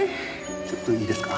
ちょっといいですか？